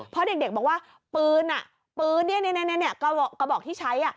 เพราะเด็กบอกว่าปืนกระบอกที่ใช้